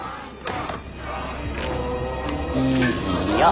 いいよ。